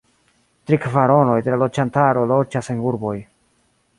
Tri kvaronoj de la loĝantaro loĝas en urboj.